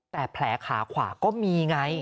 แต่แผลขาขวาก็มีไง